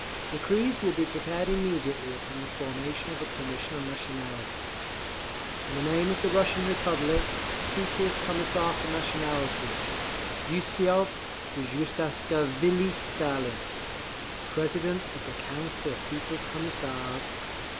Decrees will be prepared immediately upon the formation of a Commission on Nationalities. In the name of the Russian Republic, People's Commissar for Nationalities YUSSOV DJUGASHVILI STALIN President of the Council of People's Commissars V.